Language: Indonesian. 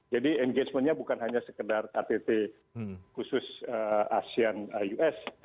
jadi engagementnya bukan hanya sekedar ktt khusus asean us